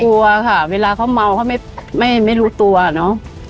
กลัวค่ะเวลาเขาเมาเขาไม่รู้ตัวเนอะ